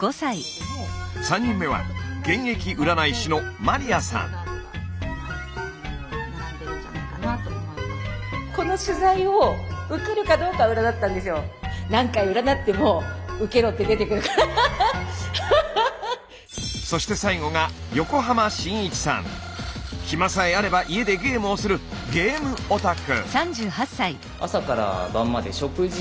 ３人目は現役占い師のそして最後が暇さえあれば家でゲームをするゲームオタク。